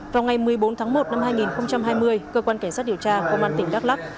vào ngày một mươi bốn tháng một năm hai nghìn hai mươi cơ quan cảnh sát điều tra công an tỉnh đắk lắc